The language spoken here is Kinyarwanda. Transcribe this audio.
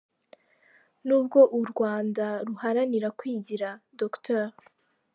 Nubwo u Rwanda ruharanira kwigira, Dr.